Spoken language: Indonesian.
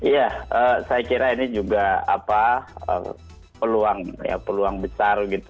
ya saya kira ini juga peluang besar gitu